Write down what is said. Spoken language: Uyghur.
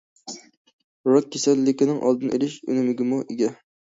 راك كېسەللىكىنىڭ ئالدىنى ئېلىش ئۈنۈمىگىمۇ ئىگە.